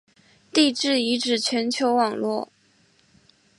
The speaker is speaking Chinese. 地质遗址全球网络。